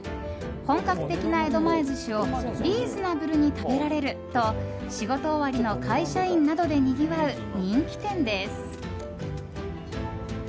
本格的な江戸前寿司をリーズナブルに食べられると仕事終わりの会社員などでにぎわう人気店です。